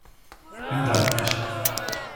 In Darkness